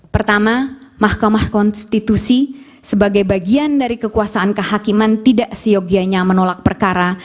pertama mahkamah konstitusi sebagai bagian dari kekuasaan kehakiman tidak seyogianya menolak perkara